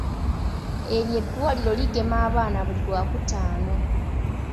Eryo eddwaliro ligema abaana buli Lwakutaano.